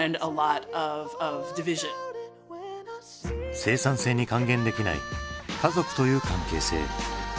生産性に還元できない家族という関係性。